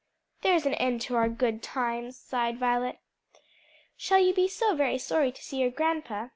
"There's an end to our good times!" sighed Violet. "Shall you be so very sorry to see your grandpa?"